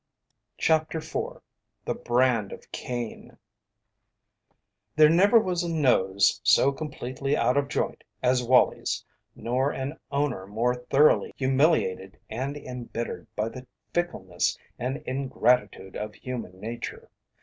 CHAPTER IV THE BRAND OF CAIN There never was a nose so completely out of joint as Wallie's nor an owner more thoroughly humiliated and embittered by the fickleness and ingratitude of human nature.